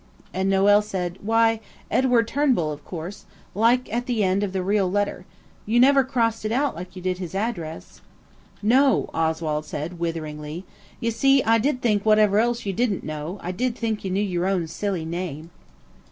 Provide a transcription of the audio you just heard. And Noël said, "Why, Edward Turnbull, of course–like at the end of the real letter. You never crossed it out like you did his address." "No," said Oswald witheringly. "You see, I did think whatever else you didn't know, I did think you knew your own silly name."